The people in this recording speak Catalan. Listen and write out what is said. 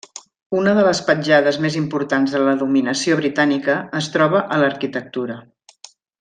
Una de les petjades més importants de la dominació britànica es troba a l'arquitectura.